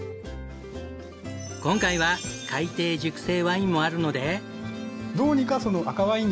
今回は海底熟成ワインもあるので。